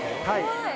はい。